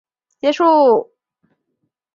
与国民军的战斗便告结束。